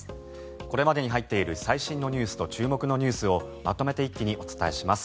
これまでに入っている最新ニュースと注目ニュースをまとめて一気にお伝えします。